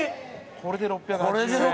これで６８０円